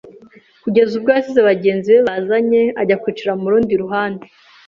Kugeza ubwo yasize bagenzi be bazanye ajya kwicara mu rundi ruhande